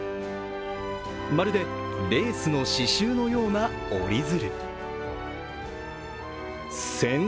まるでレースの刺しゅうのような折り鶴。